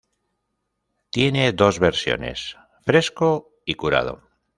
Tiene dos versiones: fresco y curado.